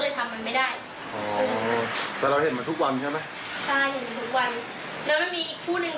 ก็เลยเหลือมันตัวเดียวก็เลยแปลกใจว่าทำไมมันถึงโดนฟัน